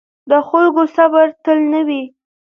د خلکو صبر تل نه وي